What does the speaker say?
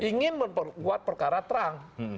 ingin membuat perkara terang